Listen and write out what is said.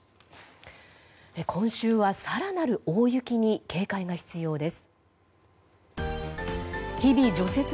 今週は更なる大雪に警戒が必要です。